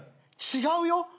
違うよ。